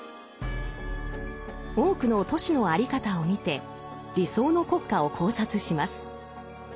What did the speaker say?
多くの都市の在り方を見て理想の国家を考察します。